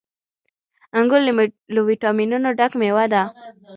• انګور له ويټامينونو ډک مېوه ده.